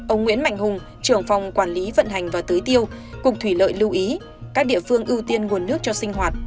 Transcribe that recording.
ông nguyễn mạnh hùng trưởng phòng quản lý vận hành và tưới tiêu cục thủy lợi lưu ý các địa phương ưu tiên nguồn nước cho sinh hoạt